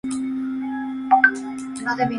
El inferior tiene un solo hueco en tres de sus caras.